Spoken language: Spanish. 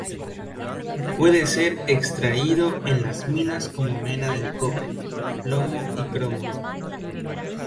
Puede ser extraído en las minas como mena del cobre, plomo y cromo.